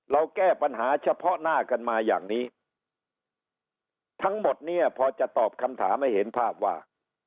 แก้ปัญหาเฉพาะหน้ากันมาอย่างนี้ทั้งหมดเนี่ยพอจะตอบคำถามให้เห็นภาพว่า